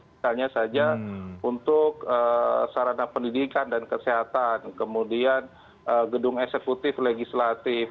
misalnya saja untuk sarana pendidikan dan kesehatan kemudian gedung eksekutif legislatif